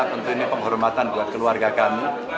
tentu ini penghormatan buat keluarga kami